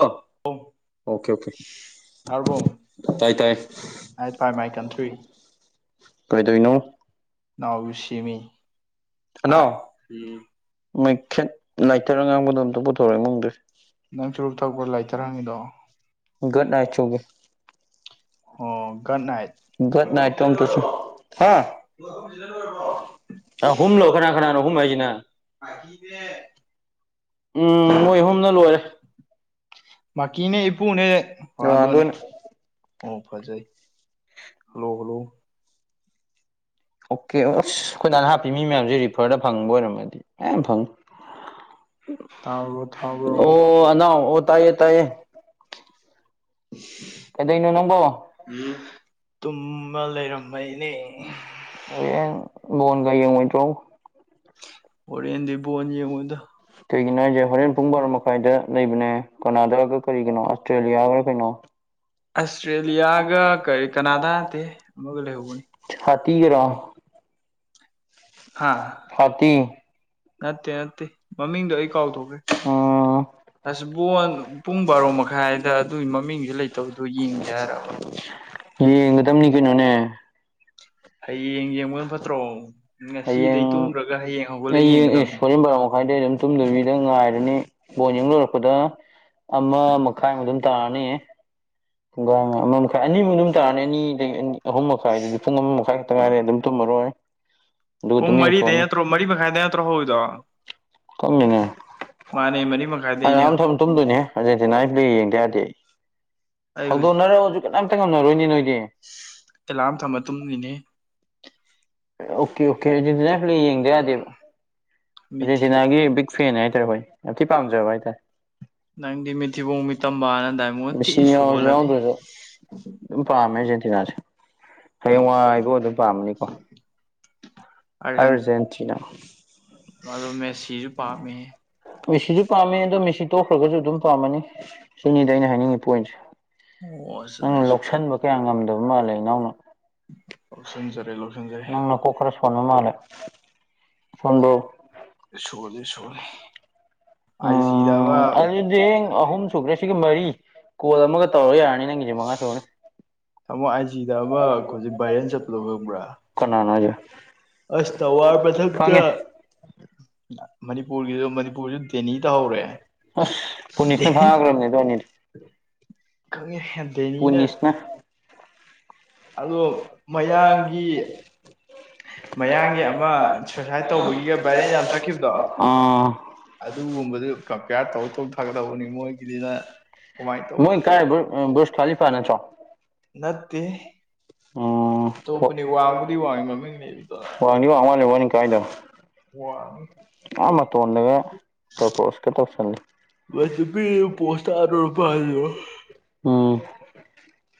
ꯑꯣ okay okay ꯇꯥꯏ ꯇꯥꯏ ꯑꯥꯏ ꯐꯥꯏ ꯃꯥꯏ ꯀꯟꯇ꯭ꯔꯤ ꯀꯩꯗꯧꯏꯅꯣ ꯅꯥꯎ ꯌꯨꯁꯤꯃꯤ ꯊꯅꯥꯎ ꯃꯩꯈꯦꯠ ꯂꯥꯏꯇꯔ ꯑꯉꯥꯡꯕꯗꯣ ꯑꯝꯇ ꯄꯨꯊꯣꯔꯛꯏ ꯏꯃꯨꯡꯗꯩ ꯅꯪ ꯆꯨꯔꯨꯞ ꯊꯛꯄꯔꯣ ꯂꯥꯏꯇꯔ ꯍꯪꯉꯤꯗꯣ ꯒꯨꯗ ꯅꯥꯢꯠ ꯆꯨꯒꯦ ꯑꯣ ꯒꯠ ꯅꯥꯏꯠ ꯒꯨꯗ ꯅꯥꯏꯠꯇꯣ ꯑꯝꯇꯁꯨ ꯍꯥ ꯑꯍꯨꯝꯂꯣ ꯀꯅꯥ ꯀꯅꯥꯅꯣ ꯑꯍꯨꯝ ꯍꯥꯏꯁꯤꯅ [unintelligible] ꯎꯝ ꯃꯣꯏ ꯑꯍꯨꯝꯅ ꯂꯣꯏꯔꯦ ꯃꯀꯤꯅꯦ ꯏꯄꯨꯅꯦ ꯔꯣꯅꯥꯜꯗꯣ ꯋꯥꯗꯅꯦ ꯑꯣꯏꯅ ꯑꯣ ꯐꯖꯩ ꯍꯜꯂꯣ ꯍꯜꯂꯣ ꯑꯣꯀꯦ ꯑꯁ ꯑꯩꯈꯣꯏꯅꯥꯅ ꯍꯥꯞꯄꯤ ꯃꯤ ꯃꯌꯥꯝꯁꯦ ꯔꯤꯐꯔꯗ ꯐꯪꯕ ꯑꯣꯏꯔꯝꯃꯗꯤ ꯑ ꯐꯪꯉ ꯇꯥꯎ꯭ꯔꯣ ꯊꯥꯎ꯭ꯔꯣ ꯑꯅꯥꯎ ꯑꯣ ꯇꯥꯏꯌꯦ ꯇꯥꯏꯌꯦ ꯀꯩꯗꯩꯅꯣ ꯅꯪꯕꯣ ꯇꯨꯝꯃ ꯂꯩꯔꯝꯃꯩꯅꯦ ꯍꯣꯔꯦꯜ ꯕꯣꯜꯒ ꯌꯦꯉꯣꯏꯗ꯭ꯔꯣ ꯍꯣꯔꯦꯜꯗꯤ ꯕꯣꯜ ꯌꯦꯉꯣꯏꯗ ꯀꯩꯒꯤꯅꯣ ꯍꯥꯏꯁꯦ ꯍꯣꯔꯦꯟ ꯄꯨꯡ ꯕꯥꯔꯣ ꯃꯈꯥꯏꯗ ꯂꯩꯕꯅꯦ ꯀꯅꯥꯗꯥꯒ ꯀꯔꯤ ꯀꯅꯣ ꯑꯁꯇ꯭ꯔꯦꯂꯤꯌꯥꯒ ꯀꯩꯅꯣ ꯑꯁꯇ꯭ꯔꯦꯂꯤꯌꯥꯒ ꯀꯔꯤ ꯀꯅꯥꯗꯥ ꯅꯠꯇꯦ ꯑꯃꯒ ꯂꯩꯍꯧꯕꯅꯤ [inaudible] ꯊꯠꯇꯤꯒ꯭ꯔꯥ ꯍꯥ ꯁꯥꯇꯤ ꯅꯠꯇꯦ ꯅꯠꯇꯦ ꯃꯃꯤꯡꯗꯣ ꯑꯩ ꯀꯥꯎꯊꯣꯛꯈ꯭ꯔꯦ ꯎꯝ ꯑꯁꯕꯣꯟ ꯄꯨꯡ ꯕꯥꯔꯣ ꯃꯈꯥꯏꯗ ꯑꯗꯨꯒꯤ ꯃꯃꯤꯡꯗꯨ ꯂꯩꯇꯕꯗꯣ ꯌꯦꯡꯖ ꯍꯥꯏꯔꯕ ꯌꯦꯡꯒꯗꯕꯅꯤ ꯀꯩꯅꯣꯅꯦ ꯍꯌꯦꯡ ꯌꯦꯡꯉ ꯃꯣꯏꯣꯟ ꯐꯠꯇ꯭ꯔꯣ ꯉꯁꯤꯗꯒꯤꯩ ꯍꯌꯦꯡ ꯇꯣꯡꯈ꯭ꯔꯒ ꯍꯌꯦꯡ ꯍꯧꯒꯠꯂ ꯑꯩ ꯌꯦꯡꯒꯗꯕꯅꯦ ꯑꯦꯁ ꯍꯣꯔꯦꯟ ꯕꯥꯔꯣ ꯃꯈꯥꯏꯗꯩ ꯑꯗꯨꯝ ꯇꯨꯝꯗꯕꯤꯗ ꯉꯥꯏꯔꯅꯤ ꯕꯣꯟ ꯌꯦꯡ ꯂꯣꯏꯔꯛꯄꯗ ꯑꯃ ꯃꯈꯥꯏꯃ ꯑꯗꯨꯝ ꯇꯥꯔꯅꯤ ꯨꯡꯒꯥꯏ ꯑꯃ ꯃꯈꯥꯏ ꯑꯅꯤꯃꯨꯛ ꯑꯗꯨꯝ ꯇꯥꯔꯅꯤ ꯑꯅꯤ ꯑꯗꯒꯤ ꯑ ꯑꯍꯨꯝ ꯃꯈꯥꯏꯗꯨ ꯄꯨꯡ ꯑꯃ ꯃꯈꯥꯏ ꯈꯛꯇ ꯉꯥꯏꯔꯦ ꯑꯗꯨꯝ ꯇꯨꯝꯃꯔꯣꯏ ꯑꯗꯨꯒ ꯄꯨꯡ ꯑꯗꯨꯝ ꯃꯔꯤꯗ ꯌꯦꯡꯊꯣꯛꯑꯅꯤ ꯅꯠꯇ꯭ꯔꯣ ꯃꯔꯤ ꯃꯈꯥꯏꯗ ꯅꯠꯇ꯭ꯔꯣ ꯍꯧꯔꯤꯗꯣ ꯈꯪꯗꯦꯅꯦ ꯃꯥꯅꯦ ꯃꯔꯤ ꯃꯈꯥꯏꯗꯅꯦ ꯑꯥꯔꯖꯦꯟꯇꯤꯅꯥꯁꯤꯗ ꯌꯦꯡꯗꯦ ꯌꯥꯔꯗꯤ ꯑꯩ ꯍꯧꯗꯣꯛꯅꯔꯛꯑꯁꯨ ꯍꯧꯖꯤꯛ ꯀꯅꯥꯝꯇ ꯉꯝꯅꯔꯣꯏꯅꯤ ꯅꯣꯏꯗꯤ ꯑꯦꯂꯥꯔꯝ ꯊꯝꯃ ꯇꯨꯡꯅꯤꯅꯦ ꯑꯣꯀꯦ ꯑꯣꯀꯦ ꯑꯖꯦꯟꯇꯤꯅ ꯈ꯭ꯔ ꯌꯦꯡꯗ ꯌꯥꯗꯦꯕ ꯃꯤꯠꯊꯤ ꯑꯥꯔꯖꯦꯟꯇꯤꯅꯥꯒꯤ ꯕꯤꯛ ꯐꯦꯟ ꯍꯥꯏꯇꯥꯔꯦ ꯍꯣꯏ ꯌꯥꯝ ꯊꯤ ꯄꯥꯝꯖꯕ ꯍꯥꯏꯇꯥꯔꯦ ꯅꯪꯗꯤ ꯃꯤꯠꯊꯤꯕꯣꯡ ꯃꯤꯠꯇꯝꯕꯅ ꯗꯥꯏꯃꯣꯟ ꯃꯦꯁꯤ ꯊꯤꯅ ꯌꯥꯎꯔꯁꯨ ꯁꯣꯜꯂꯝꯃꯤ ꯌꯥꯎꯗ꯭ꯔꯁꯨ ꯑꯗꯨꯝ ꯄꯥꯝꯃꯦ ꯑꯔꯖꯦꯟꯇꯤꯅꯥꯁꯦ ꯍꯌꯦꯡꯋꯥꯏꯐꯧ ꯑꯗꯨꯝ ꯄꯥꯝꯃꯅꯤꯀꯣ ꯑꯥꯔꯖꯦꯟ ꯑꯔꯖꯦꯟꯇꯤꯅꯥ ꯑꯗꯣ ꯃꯦꯁꯤꯁꯨ ꯄꯥꯝꯃꯦ ꯃꯦꯁꯤꯁꯨ ꯄꯥꯝꯃꯦ ꯑꯗꯣ ꯃꯦꯁꯤ ꯇꯣꯛꯈ꯭ꯔꯒꯁꯨ ꯑꯗꯨꯝ ꯄꯥꯝꯃꯅꯤ ꯁꯤꯅꯤꯗ ꯑꯩꯅ ꯍꯥꯏꯅꯤꯡꯉꯤ ꯄꯣꯏꯟꯁꯦ ꯑꯣꯁꯃꯦ ꯅꯪꯅ ꯂꯧꯁꯟꯕ ꯀꯌꯥ ꯉꯝꯗꯕ ꯃꯥꯜꯂꯦ ꯏꯅꯥꯎꯅ ꯂꯧꯁꯤꯟꯖꯔꯦ ꯂꯧꯁꯤꯟꯖꯔꯦ ꯀꯅ ꯃꯥꯂꯦ ꯐꯗꯣ ꯁꯣꯜꯗꯤ ꯁꯣꯅꯤ ꯑꯥꯏꯖꯤꯗ ꯎꯝ ꯑꯃ ꯑꯗꯨꯗꯤ ꯑꯍꯨꯝ ꯁꯨꯈ꯭ꯔꯦ ꯁꯤꯒ ꯃꯔꯤ ꯀꯣꯜ ꯑꯃꯒ ꯇꯧꯔ ꯌꯥꯔꯅꯤ ꯅꯪꯒꯤꯁꯦ ꯃꯉꯥ ꯁꯨꯔꯅꯤ ꯇꯥꯃꯣ ꯑꯩꯥꯏꯁꯤꯗ ꯑꯃ ꯍꯧꯖꯤꯛ ꯚꯥꯏꯔꯦꯟ ꯆꯠꯄꯗꯣ ꯈꯪꯕ꯭ꯔꯥ ꯀꯅꯥꯅꯣ ꯍꯥꯏꯁꯦ ꯑꯁ ꯇ ꯋꯥꯔ ꯄꯊꯛꯇ ꯈꯪꯉꯦ ꯃꯅꯤꯄꯨꯔꯒꯤꯁꯨ ꯃꯅꯤꯄꯨꯔꯁꯨ ꯗꯦꯅꯤ ꯇꯧ ꯍꯧꯔꯦ ꯑꯁ ꯄꯨꯅꯤꯁꯅ [inaudible] ꯐꯥꯈ꯭ꯔꯕꯅꯦ ꯑꯗꯨ ꯑꯅꯤꯗꯣ ꯈꯪꯉꯦ ꯗꯦꯅꯤꯅ ꯑꯗꯣ ꯃꯌꯥꯡꯒꯤ ꯑꯃ ꯑꯦꯛꯁꯔꯁꯥꯏꯁ ꯇꯧꯕꯒꯤꯒ ꯚꯥꯏꯔꯦꯟ ꯌꯥꯝ ꯆꯠꯈꯤꯕꯗꯣ [unintelligible] ꯑꯥ ꯑꯗꯨꯒꯨꯝꯕꯗꯨ ꯀꯝꯄꯤꯌꯥꯔ ꯇꯧ ꯇꯧ ꯊꯒꯗꯧꯕꯅꯤ ꯃꯣꯏꯒꯤꯗꯤꯅ ꯀꯃꯥꯏꯅ ꯃꯣꯏ ꯀꯥꯏ ꯇꯧꯕ ꯕꯣꯁ ꯀꯥꯂꯤ ꯐꯥ ꯅꯠꯇ꯭ꯔꯣ ꯅꯠꯇꯦ ꯎꯝ ꯑꯇꯣꯞꯄꯅꯤ ꯋꯥꯡꯕꯨꯗꯤ ꯋꯥꯡꯉꯦ ꯃꯃꯤꯡ ꯋꯥꯡꯗꯤ ꯋꯥꯡ ꯃꯥꯜꯂꯦ ꯃꯣꯏꯅ ꯀꯥꯏꯗꯣ [unintelligible] ꯋꯥꯡꯉꯤ ꯑꯥ ꯃꯇꯣꯟꯗꯒ ꯄ꯭ꯔꯣꯄꯣꯁꯀ ꯇꯧꯁꯟꯂꯤ ꯅꯨꯄꯤ ꯄꯣꯁ ꯇꯥꯔꯨꯔꯕ ꯍꯥꯏꯗꯣ ꯎꯝ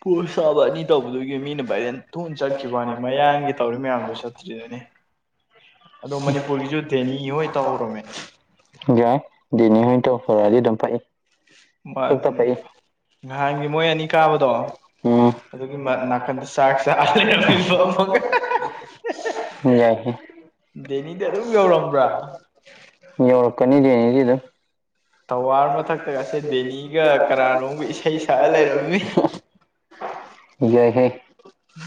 ꯄꯣꯁ ꯁꯥꯕ ꯑꯅꯤ ꯇꯧꯕꯗꯨꯒꯤ ꯃꯤꯅ ꯚꯏꯔꯦꯟ ꯊꯨꯅ ꯆꯠꯈꯤꯕ ꯋꯥꯅꯤ ꯃꯌꯥꯡꯒꯤ ꯇꯧꯔꯤ ꯃꯌꯥꯝꯗꯨ ꯆꯠꯇ꯭ꯔꯤꯗꯨꯅꯤ ꯑꯗꯣ ꯃꯅꯤꯄꯨꯔꯒꯤꯁꯨ ꯗꯦꯅꯤ ꯍꯣꯏ ꯇꯧꯔꯝꯃꯦ ꯌꯥꯏ ꯗꯦꯅꯤ ꯍꯣꯏ ꯇꯧꯔꯛꯄꯥ ꯑꯗꯨꯏꯗꯨꯝ ꯄꯥꯛꯏ [unintelligible] ꯉꯍꯥꯟꯒꯤ ꯃꯣꯏ ꯑꯅꯤ ꯀꯥꯕꯗꯣ ꯑꯗꯨꯒꯤ ꯅꯥꯀꯟꯗ ꯆꯥꯛ ꯆꯥ ꯂꯩꯔꯝꯃꯤꯕ ꯑꯃꯒ [unintelligible] ꯌꯥꯏ ꯍꯦ ꯗꯦꯅꯤꯗꯤ ꯑꯗꯨꯝ ꯌꯧꯔꯝꯕ꯭ꯔꯥ ꯌꯧ ꯀꯅꯤꯗꯦꯅꯤꯒꯤꯗꯨ [unintelligible] ꯊꯋꯥꯔ ꯃꯊꯛꯇꯒꯁꯦ ꯗꯦꯅꯤꯒ ꯀꯅꯥꯅꯣꯝꯒ ꯏꯁꯩ ꯁꯛꯑ ꯂꯩꯔꯝꯃꯤ ꯌꯥꯏꯍꯦ [unintelligible]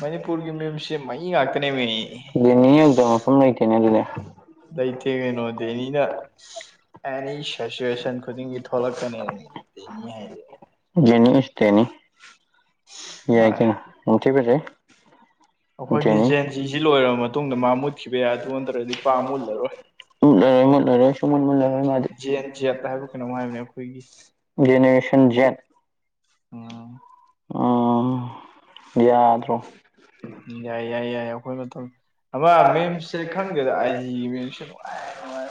ꯃꯅꯤꯄꯨꯔꯒꯤ ꯃꯤꯝꯁꯦ ꯃꯩ ꯉꯥꯛꯇꯅꯦꯃꯤ ꯑꯗꯨꯅꯤꯗ ꯐꯐꯝ ꯂꯇꯅꯦ ꯑꯗꯨꯅꯦ ꯂꯩꯩꯇꯦ ꯀꯩꯅꯣ ꯗꯦꯅꯤꯅ ꯑꯦꯅꯤ ꯁꯦꯆꯨꯋꯦꯁꯟ ꯈꯨꯗꯤꯡꯒꯤ ꯊꯣꯛꯂꯛꯀꯅꯦꯃꯤ ꯗꯦꯅꯤ ꯍꯥꯏꯁꯦ ꯗꯦꯅꯤ ꯏꯁ ꯗꯦꯅꯤ꯫ ꯌꯥꯏ ꯀꯅ ꯎꯝꯊꯕꯖꯦ ꯑꯩꯈꯣꯏꯒꯤ ꯖꯦꯟꯖꯤꯁꯤ ꯂꯣꯏꯔꯕ ꯃꯇꯨꯡꯗ ꯃꯥ ꯃꯨꯠꯈꯤꯕ ꯌꯥꯏ ꯑꯗꯨ ꯅꯠꯇ꯭ꯔꯗꯤ ꯄꯥ ꯃꯨꯠꯂꯔꯣꯏ ꯃꯨꯠꯂꯔꯣꯏ ꯃꯨꯠꯂꯔꯣꯏ ꯁꯨꯝ ꯃꯨꯠ ꯃꯨꯂꯔꯣꯏ ꯃꯥꯗꯤ ꯖꯤ ꯑꯦꯟ ꯖꯦꯠ ꯍꯥꯏꯕ ꯀꯩꯅꯣ ꯍꯥꯏꯕꯅꯦ ꯑꯩꯈꯣꯏꯒꯤ ꯖꯦꯅꯦꯔꯦꯁꯟ ꯖꯦꯠ ꯎꯝ ꯑꯥ ꯌꯥꯏ ꯌꯥꯏ ꯌꯥꯏ ꯑꯩꯈꯣꯏ ꯃꯇꯝ ꯑꯃ ꯃꯦꯝꯁꯦ ꯈꯪꯗꯦꯗ ꯑꯥꯏꯖꯤꯒꯤ ꯃꯦꯝꯁꯦ ꯅꯨꯡꯉꯥꯏ ꯅꯨꯡꯉꯥꯏ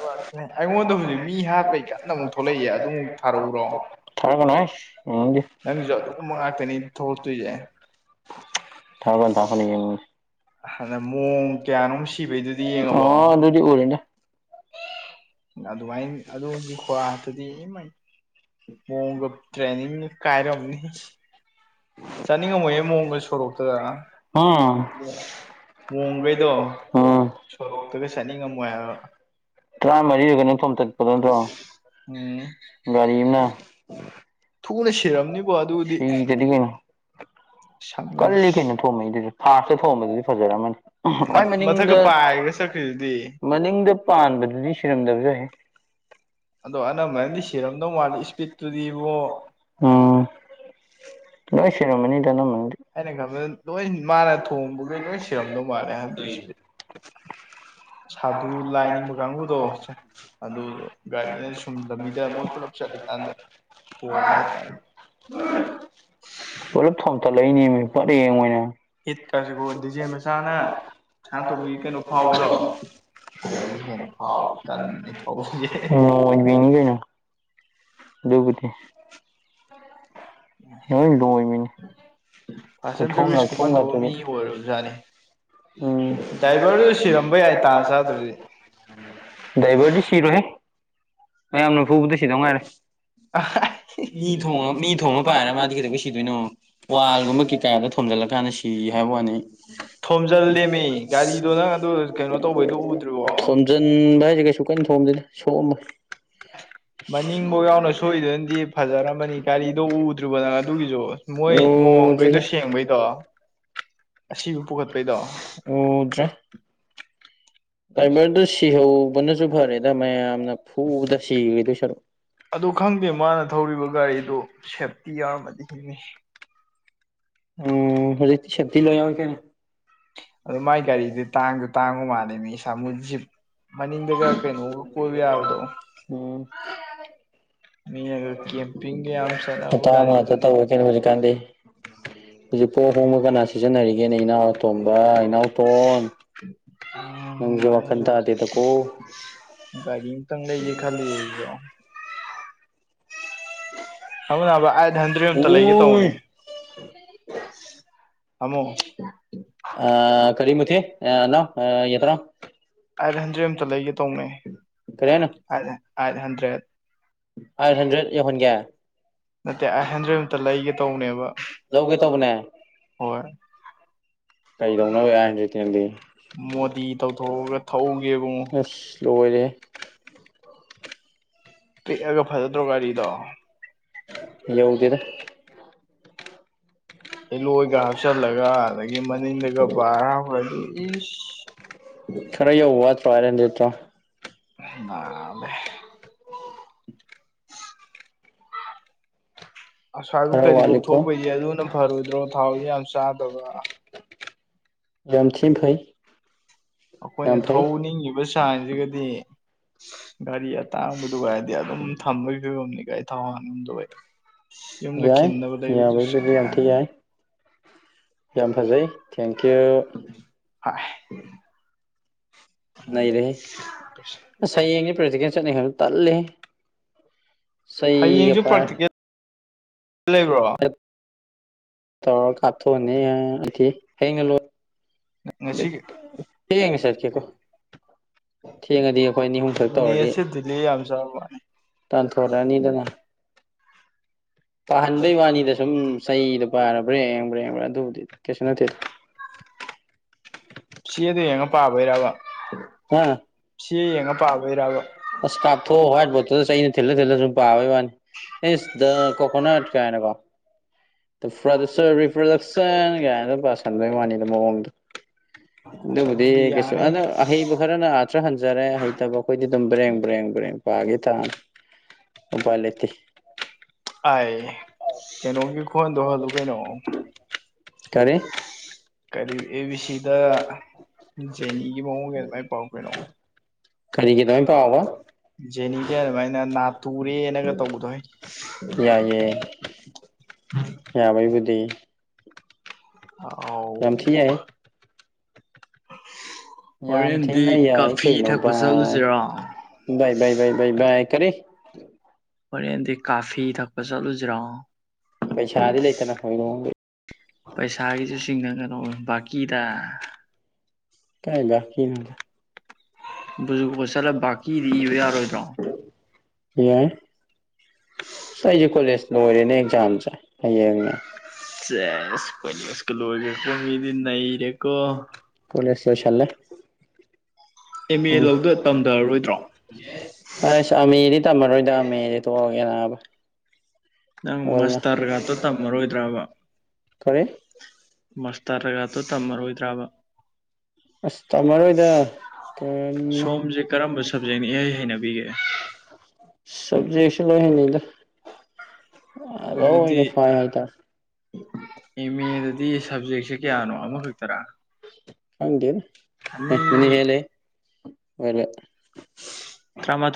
ꯑꯩꯉꯣꯟꯗ ꯍꯧꯖꯤꯛ ꯃꯤ ꯍꯥꯠꯄꯩ ꯀꯟꯅ ꯑꯃꯨꯛ ꯊꯣꯛꯂꯛꯏꯌꯦ ꯑꯗꯨꯃꯨꯛ ꯊꯥꯔꯛꯎꯔꯣ ꯊꯥꯔꯛꯀꯅꯨ ꯍꯩꯁ ꯌꯦꯡꯅꯤꯡꯗꯦ ꯅꯪꯒꯤꯁꯨ ꯑꯗꯨꯒꯨꯝꯕ ꯉꯥꯛꯇꯅꯤ ꯊꯣꯛꯂꯛꯇꯣꯏꯁꯦ ꯊꯥꯔꯛꯀꯅꯨ ꯊꯥꯔꯛꯀꯅꯨ ꯍꯅꯑꯃꯣꯡ ꯑ ꯑꯗꯨꯗꯤ ꯎꯔꯦꯗꯥ ꯑꯗꯨꯃꯥꯏꯅ ꯑꯗꯨꯒꯤ ꯈꯨꯍꯠꯇꯨꯗꯤ ꯏꯃꯩ [unintelligible] ꯇ꯭ꯔꯦꯅꯤꯡ ꯀꯥꯏꯔꯝꯅꯤ ꯆꯥꯅꯤꯡꯉꯝꯃꯣꯏꯌꯦ ꯃꯑꯣꯡꯒ ꯁꯣꯔꯣꯛꯇꯗ ꯎꯝ ꯃꯣꯡꯈꯩꯗꯣ ꯎꯝ ꯁꯣꯔꯣꯛꯇꯒ ꯆꯠꯅꯤꯡꯉꯝꯃꯣꯏ ꯍꯥꯏꯕ ꯇꯔꯥꯃꯔꯤꯗꯨꯒꯅ ꯊꯣꯝꯇꯠꯄꯗꯣ ꯅꯠꯇ꯭ꯔꯣ ꯎꯝ ꯒꯔꯤꯅꯥ ꯊꯨꯅ ꯁꯤꯔꯝꯃꯤꯕ ꯁꯤꯗ꯭ꯔꯥꯗꯤ ꯀꯩꯅꯣ꯫ ꯁꯝꯃꯒ ꯀꯜꯂꯤ ꯀꯩꯅꯣ ꯊꯣꯝꯃꯛꯏꯗꯨꯁꯨ ꯐ꯭ꯔꯥꯁꯇ ꯊꯣꯝꯕꯗꯨꯗꯤ ꯐꯖꯔꯝꯃꯅꯤ ꯈꯋ꯭ꯥꯏ ꯃꯊꯛꯀ ꯃꯅꯤꯡꯗ ꯄꯥꯏꯔꯒ ꯆꯠꯈ꯭ꯔꯤꯗꯨꯗꯤ ꯃꯅꯤꯡꯗ ꯄꯥꯟꯕꯗꯨꯗꯤ ꯁꯤꯔꯝꯗꯕꯁꯨ ꯌꯥꯏꯍꯦ꯫ ꯑꯗꯣ ꯑꯅꯝꯕꯅꯗꯤ ꯁꯤꯔꯝꯗꯧ ꯃꯥꯜꯂꯤ ꯏꯁꯄꯤꯠꯇꯨꯗꯤ ꯏꯕꯣ꯫ ꯎꯝ ꯂꯣꯏ ꯁꯤꯔꯝꯃꯅꯤꯗ ꯑꯅꯝꯕꯅꯥꯗꯤ꯫ ꯑꯩꯅ ꯈꯟꯕꯗ ꯂꯣꯏ ꯃꯥꯅ ꯊꯣꯝꯕꯒꯩ ꯂꯣꯏꯟ ꯁꯤꯔꯝꯗꯧ ꯃꯥꯜꯂꯦ ꯍꯟꯗꯛꯁꯤꯗꯤ꯫ [inaudible] ꯁꯥꯗꯨ ꯂꯥꯏ ꯅꯤꯡꯕ ꯀꯥꯡꯕꯨꯗꯣ ꯁꯦ ꯑꯗꯨꯗꯣ ꯒꯥꯔꯤꯅ ꯁꯨꯝ ꯂꯝꯕꯤꯗ ꯃꯣꯏ ꯄꯨꯂꯞ ꯆꯠꯂꯤꯀꯥꯟꯗ ꯊꯣꯝꯕ ꯍꯥꯏꯇꯔꯦ ꯄꯨꯂꯞ ꯊꯣꯝꯊꯠꯂꯛꯏꯅꯤꯅꯦ ꯄꯔꯦꯡ ꯑꯣꯏꯅ ꯍꯤꯠꯀꯁꯤꯀꯣ ꯗꯤꯖꯦ ꯃꯆꯥꯅ ꯁꯅꯥꯇꯣꯝꯕꯤ ꯀꯩꯅꯣ ꯐꯥꯎꯕꯗꯣ [inaudible] ꯑꯗꯒꯤ ꯍꯦꯟꯅ ꯐꯥꯎꯔ ꯀꯟꯅꯅꯦ ꯊꯧꯔꯤꯁꯦ ꯑꯍꯦ ꯑꯍꯦ꯫ [unintelligible] ꯑꯗꯨꯕꯨꯗꯤ [unintelligible] ꯂꯣꯏ ꯂꯣꯏꯕꯤꯅꯤ ꯈꯨꯊꯣꯝ ꯂꯥꯛꯊꯣꯝꯒꯗꯨꯗꯤ ꯃꯤ ꯑꯣꯏꯔꯕꯖꯥꯠꯅꯤ ꯎꯝ ꯗꯥꯥꯏꯚꯔꯗꯨ ꯁꯤꯔꯝꯕ ꯌꯥꯏ ꯇꯥꯟ ꯆꯥꯗ꯭ꯔꯗꯤ ꯗꯥꯏꯕꯔꯗꯤ ꯁꯤꯔꯣꯏꯍꯦ ꯃꯌꯥꯝꯅ ꯐꯨꯕꯗ ꯁꯤꯗꯧ ꯉꯥꯏꯔꯦ ꯃꯤ ꯊꯣꯝꯃ ꯃꯤ ꯊꯣꯝꯃ ꯄꯥꯏꯔ ꯃꯥꯗꯤ ꯀꯩꯗꯧꯕꯩ ꯁꯤꯗꯣꯏꯅꯣ ꯋꯥꯜꯒꯨꯝꯕ ꯀꯤꯀꯥꯗ ꯊꯣꯝꯖꯤꯜꯂꯀꯥꯟꯗ ꯁꯤ ꯍꯥꯏꯕꯩ ꯋꯥꯅꯤ ꯊꯣꯝ ꯊꯣꯝꯖꯤꯜꯂꯦꯃꯤ ꯒꯥꯔꯤꯗꯣ ꯅꯪ ꯑꯗꯨ ꯀꯩꯅꯣ ꯇꯧꯕꯩꯗꯣ ꯎꯗ꯭ꯔꯤꯕꯣ ꯊꯣꯝꯖꯤꯟꯕ ꯍꯥꯏꯁꯦ ꯀꯩꯁꯨ ꯀꯟꯅ ꯊꯣꯝꯗꯦꯗ ꯁꯣꯛꯑꯝꯃꯣꯏ ꯃꯅꯤꯡꯕꯣ ꯌꯥꯎꯅ ꯁꯣꯛꯏꯗꯨꯅꯗꯤ ꯐꯖꯔꯝꯃꯅꯤ ꯒꯥꯔꯤꯗꯣ ꯎꯗ꯭ꯔꯤꯕꯣ ꯅꯪ ꯑꯗꯨꯒꯤꯁꯨ ꯃꯣꯏ ꯃꯣꯝ ꯒꯩꯗꯣ ꯎꯗ꯭ꯔꯤꯗ ꯁꯦꯡꯕꯩꯗꯣ ꯑꯁꯤꯕ ꯄꯨꯈꯠꯄꯩꯗꯣ ꯗꯥꯏꯚꯔꯗꯨ ꯁꯤꯍꯧꯕꯅꯁꯨ ꯐꯔꯦꯗ ꯃꯌꯥꯝꯅ ꯐꯨꯕꯗ ꯁꯤꯒꯤꯗꯣꯏ ꯁꯔꯨꯛ ꯑꯗꯨ ꯈꯪꯗꯦ ꯃꯥꯅ ꯊꯧꯔꯤꯕ ꯒꯥꯔꯤꯗꯨ ꯁꯦꯞꯇꯤ ꯌꯥꯎꯔꯝꯃꯗꯤ ꯍꯤꯡꯅꯤ ꯎꯝ ꯍꯧꯖꯤꯛꯇꯤ ꯁꯦꯞꯇꯤ ꯂꯣꯏ ꯌꯥꯎꯋꯦ ꯀꯩꯅꯣ ꯑꯗꯨ ꯃꯥꯏ ꯒꯥꯔꯤꯗꯨ ꯇꯥꯡꯁꯨ ꯇꯥꯡꯕ ꯃꯥꯜꯂꯦ ꯁꯃꯨ ꯖꯤꯞ ꯃꯅꯤꯡꯗꯒ ꯀꯩꯅꯣꯒ ꯀꯣꯏꯕ ꯌꯥꯕꯗꯣ ꯎꯝ ꯃꯤꯅꯒ ꯀꯦꯝꯄꯤꯡꯒ ꯌꯥꯝ ꯆꯠꯅꯕ ꯒꯥꯔꯤ ꯑꯗ ꯇꯧꯔꯦ ꯀꯩꯅꯣ ꯍꯧꯖꯤꯛꯀꯥꯟꯗꯤ ꯍꯧꯖꯤꯛꯄꯨ ꯑꯍꯣꯡꯕ ꯀꯅꯥ ꯁꯤꯖꯤꯟꯅꯔꯤꯒꯦꯅꯦ ꯏꯅꯥꯎ ꯑꯇꯣꯝꯕ ꯏꯅꯥꯎꯇꯣꯟ ꯅꯪꯁꯦ ꯋꯥꯈꯟ ꯇꯥꯗꯦꯗꯀꯣ [unintelligible] ꯒꯥꯔꯤ ꯑꯃꯇꯪ ꯂꯩꯒꯦ ꯈꯜꯂꯤ ꯑꯩꯁꯨ [unintelligible] ꯅꯕ ꯑꯥꯏꯠꯍꯟꯗ꯭ꯔꯦꯠ ꯑꯝꯇ ꯂꯩꯒꯦ ꯇꯧꯕꯅꯤ ꯎꯏ ꯇꯝꯃꯣ ꯑꯥ ꯀꯔꯤ ꯃꯨꯊꯤ ꯑꯅꯧ ꯌꯦꯠꯄꯅꯣ ꯑꯥꯏꯠꯍꯟꯗ꯭ꯔꯦꯠ ꯑꯝꯇ ꯂꯩꯒꯦ ꯇꯧꯅꯤ ꯀꯔꯤ ꯍꯥꯏꯅꯣ ꯀꯔꯤ ꯍꯥꯏꯅꯣ ꯑꯥꯏꯠꯍꯟꯗ꯭ꯔꯦꯠ ꯑꯥꯏꯠ ꯍꯟꯗ꯭ꯔꯦꯠ ꯌꯧꯍꯟꯒꯦ ꯅꯠꯇꯦ ꯑꯥꯏꯠꯍꯟꯗ꯭ꯔꯦꯠ ꯑꯝꯇ ꯂꯩꯒꯦ ꯇꯧꯅꯦꯕ ꯂꯧꯒꯦ ꯇꯧꯕꯅꯦ ꯍꯣꯏ ꯀꯩꯗꯧꯅꯕ ꯑꯥꯏꯠꯍꯟꯗ꯭ꯔꯦꯠꯇꯤ ꯅꯪꯗꯤ ꯃꯣꯗꯤ ꯇꯧꯊꯣꯛꯑꯒ ꯊꯧꯒꯦ ꯏꯕꯨꯡꯉꯣ ꯂꯣꯏꯔꯦꯍꯦ ꯄꯤꯛꯑꯒ ꯐꯖꯗ꯭ꯔꯣ ꯒꯥꯔꯤꯗꯣ ꯌꯧꯗꯦꯗ ꯑꯦꯂꯣꯏꯒ ꯍꯥꯞꯆꯤꯜꯂꯒ ꯑꯗꯒꯤ ꯃꯅꯤꯡꯗꯒ ꯕꯥꯔ ꯍꯥꯞꯈ꯭ꯔꯗꯤ ꯏꯁ ꯈꯔ ꯌꯧꯕ ꯋꯥꯠꯇ꯭ꯔꯣ ꯑꯥꯏꯠꯍꯟꯗ꯭ꯔꯦꯠꯇꯣ [inaudible] [inaudible] ꯑꯁ꯭ꯋꯥꯏꯐꯧ ꯀꯔꯤꯐꯧ ꯋꯥꯠꯂꯤꯀꯣ ꯊꯣꯛꯄꯩꯗꯤ ꯑꯗꯨꯅ ꯐꯔꯣꯏꯗ꯭ꯔꯣ ꯊꯥꯎꯁꯨ ꯌꯥꯝ ꯆꯥꯗꯕ ꯌꯝꯊꯤ ꯐꯩ ꯑꯩꯈꯣꯏꯅ ꯌꯥꯝ ꯐꯩ ꯊꯧꯅꯤꯡꯉꯤꯕ ꯁꯤꯡꯁꯤꯒꯗꯤ ꯒꯥꯔꯤ ꯑꯇꯥꯡꯕꯗꯨꯒ ꯍꯥꯏꯔꯗꯤ ꯑꯗꯨꯝ ꯊꯝꯕꯒꯤ ꯐꯤꯕꯝꯅꯤ ꯒꯥꯔꯤ ꯊꯥꯎ ꯍꯟꯕꯩ ꯌꯨꯝꯗ ꯌꯥꯏ ꯈꯤꯟꯅꯕ ꯂꯩꯕꯗꯨꯁꯨ ꯌꯥꯝ ꯌꯥꯕꯩꯕꯨꯗꯤ ꯊꯤ ꯅꯨꯡꯉꯥꯏꯔꯝꯃꯤ ꯌꯥꯏ ꯌꯥꯝ ꯐꯖꯩ ꯊꯦꯡꯀ꯭ꯌꯨ ꯑꯥꯏ ꯅꯩꯔꯦꯍꯦ ꯑꯁ ꯍꯌꯦꯡꯗꯤ ꯄ꯭ꯔꯦꯛꯇꯤꯀꯦꯜ ꯆꯠꯅꯤ ꯈꯟꯕꯗ [unintelligible] ꯇꯜꯂꯦꯍꯦ ꯆꯩꯒꯥ ꯍꯌꯦꯡꯁꯨ ꯄꯥꯏꯔꯥ ꯄ꯭ꯔꯥꯛꯇꯤꯀꯦꯜ ꯂꯩꯕ꯭ꯔꯣ ꯇꯧꯔꯒ ꯀꯥꯞꯊꯣꯛꯑꯅꯦ ꯍꯥꯏꯗꯤ ꯍꯌ‌ꯦꯡꯅ ꯂ‌ꯣꯏ ꯉꯁꯤ [unintelligible] ꯊꯦꯡꯉꯗꯤ ꯑꯩꯈꯣꯏ ꯑꯅꯤ ꯑꯍꯨꯝꯈꯛ ꯇꯧꯔꯗꯤ ꯅꯦꯠꯁꯦ ꯗꯤꯂꯦ ꯌꯥꯝ ꯆꯥꯕ ꯇꯥꯟꯊꯣꯔꯛꯑꯅꯤꯗꯅ ꯄꯥꯍꯟꯕꯩ ꯋꯥꯅꯤꯗ ꯁꯨꯝ ꯆꯩꯗꯣ ꯄꯥꯏꯔꯒ ꯕꯔ꯭ꯦꯡ ꯕꯔ꯭ꯦꯡ ꯑꯗꯨꯕꯨꯗꯤ ꯀꯩꯁꯨ ꯅꯠꯇꯦ ꯆꯦꯗꯥ ꯌꯦꯡꯉ ꯄꯥꯕꯩꯔꯕ ꯍꯥ ꯆꯦ ꯌꯦꯡꯉ ꯄꯥꯕꯩꯔꯕ ꯑꯁ ꯀꯥꯞꯊꯣꯛꯑꯒꯥ ꯋꯥꯏꯠ ꯕꯣꯠꯇ ꯆꯩꯅ ꯊꯤꯜꯂ ꯊꯤꯜꯂ ꯁꯨꯝ ꯄꯥꯕꯩ ꯋꯥꯅꯤ ꯑꯦ ꯗ ꯀꯣꯀꯣꯅꯠ ꯀꯥꯏꯅꯀꯣ ꯗꯥ ꯄꯔ꯭ꯗꯨꯁꯔ ꯔꯤꯄꯔꯥꯗꯛꯁꯟ ꯀꯥꯏꯅ ꯄꯁꯟꯗꯩ ꯋꯥꯅꯤꯗ ꯃꯑꯣꯡꯗꯣ ꯑꯁ ꯑꯗꯨꯕꯨꯗꯤ ꯑꯗꯨꯗꯤ ꯀꯩꯁꯨ ꯌꯥꯅꯤ ꯑꯗꯨ ꯑꯍꯩꯕꯨ ꯈꯔꯅ ꯑꯥꯊ꯭ꯔ ꯍꯟꯖꯔꯦ ꯍꯩꯇꯕ ꯑꯩꯈꯣꯏꯗꯤ ꯑꯗꯨꯝ ꯕ꯭ꯔꯦꯡ ꯕ꯭ꯔꯦꯡ ꯕ꯭ꯔꯦꯡ ꯄꯥꯒꯤ ꯇꯥꯕꯅꯦ ꯎꯄꯥꯏ ꯂꯩꯇꯦ ꯑꯥꯏ ꯀꯩꯅꯣꯒꯤ ꯈꯨꯍꯟꯗꯨ ꯍꯜꯂꯨ ꯀꯩꯅꯣ ꯀꯔꯤ ꯀꯔꯤ ꯑꯦ ꯕꯤ ꯁꯤꯗ ꯖꯦꯅꯤꯒꯤ ꯃꯑꯣꯡ ꯒꯤ ꯑꯗꯨꯃꯥꯏꯅ ꯄꯥꯎ ꯀꯩꯅꯣ ꯀꯔꯤꯒꯤꯗꯨꯃꯥꯏ ꯄꯥꯎꯕ ꯖꯦꯅꯤꯒꯤ ꯑꯗꯨꯃꯥꯏꯅ ꯅꯥꯇꯨꯔꯦꯅꯒ ꯇꯧꯕꯗꯣꯍ‌ꯦ ꯌꯥꯏꯌꯦ ꯌꯥꯕꯩꯕꯨꯗꯤ ꯑꯥꯎ ꯌꯥꯝ ꯊꯤ ꯌꯥꯏꯍꯦ ꯌꯥꯝ ꯍꯣꯔꯦꯟꯗꯤ ꯊꯤꯅ ꯌꯥꯏ ꯀꯥꯐꯤ ꯀꯩꯅꯣ ꯊꯛꯄ ꯚꯥꯏ ꯆꯠꯂꯨꯁꯤꯔꯣ ꯕꯥꯏ ꯕꯥꯏ ꯕꯥꯏ ꯕꯥꯏ ꯕꯥꯏ ꯀꯔꯤ ꯍꯣꯔꯦꯟꯗꯤ ꯀꯥꯐꯤ ꯊꯛꯄ ꯆꯠꯂꯨꯖꯤꯔꯣ ꯄꯩꯁꯥꯗꯤ ꯂꯩꯇꯅ ꯍꯣꯏꯔꯣꯡ ꯗꯩ ꯄꯩꯁꯥꯒꯤꯁꯨ ꯆꯤꯡꯅꯒꯅꯣ ꯕꯥꯀꯤꯗ ꯀꯥꯏ ꯕꯥꯀꯤꯅꯣꯗ ꯆꯠꯂꯒꯥ ꯕꯥꯀꯤꯗ ꯏꯕꯥ ꯌꯔꯣꯏꯗꯔꯣ ꯌꯥꯏ ꯑꯩꯁꯦ ꯀꯣꯂꯦꯖ ꯂꯣꯏꯔꯦꯅꯦ ꯑꯦꯛꯖꯥꯝꯁꯦ ꯍꯌꯦꯡꯅ ꯁꯦꯁ ꯀꯣꯂꯦꯁꯀ ꯂꯣꯏꯔꯦꯀꯣ ꯃꯤꯗꯤ ꯅꯩꯔꯦꯀꯣ ꯀꯣꯂꯦꯁ ꯂꯣꯏꯁꯜꯂꯦ ꯑꯦꯝ ꯎꯝ ꯑꯦ ꯐꯧꯗ ꯇꯝꯊꯔꯔꯣꯏꯗ꯭ꯔꯣ ꯑꯁ ꯑꯃꯦꯗꯤ ꯇꯝꯃꯔꯣꯏꯗ ꯑꯃꯦꯗꯤ ꯇꯣꯛꯑꯒꯦ ꯅꯥꯕ ꯅꯪ ꯑꯣꯜꯅ ꯃꯁꯇꯔꯒꯗꯣ ꯇꯝꯃꯔꯣꯏꯗ꯭ꯔꯕ ꯀꯔꯤ ꯃꯁꯇꯔꯒꯗꯣ ꯇꯝꯃꯔꯣꯏꯗ꯭ꯔꯕ ꯑꯁ ꯇꯝꯃꯔꯣꯏꯗ ꯀꯔꯤꯅꯣ ꯁꯣꯝꯁꯦ ꯀꯔꯝꯕ ꯁꯕꯖꯦꯛꯅ ꯏꯍꯩ ꯍꯩꯅꯕꯤꯒꯦ [unintelligible] ꯁꯕꯖꯦꯛꯁꯨꯂꯣꯏ ꯍꯩꯅꯩꯗ ꯑꯗꯨꯗꯤ ꯂꯣꯏꯅ ꯐꯩ ꯍꯥꯏ ꯇꯥꯔꯦ ꯑꯦꯝ ꯃꯦ ꯗꯗꯤ ꯁꯕꯖꯦꯛꯁꯦ ꯀꯌꯥꯅꯣ ꯑꯃꯥꯈꯛꯇꯔꯥ ꯈꯪꯗꯦꯗ ꯃꯤꯅꯤ ꯍꯦꯟꯂꯦꯍꯦ [unintelligible] ꯇꯔꯥꯃꯥꯊꯣꯏ